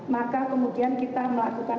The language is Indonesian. maka kemudian kita melakukan